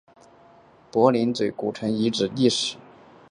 柏林嘴古城遗址的历史年代为唐。